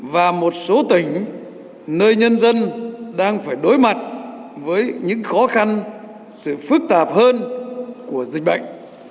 và một số tỉnh nơi nhân dân đang phải đối mặt với những khó khăn sự phức tạp hơn của dịch bệnh